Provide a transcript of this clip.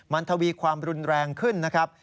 มันทวีความรุนแรงขึ้นนะครับ